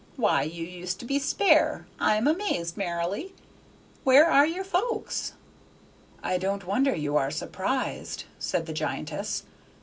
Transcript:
Why, you used to be spare; I am amazed, Marilly! Where are your folks?" "I don't wonder you are surprised," said the giantess.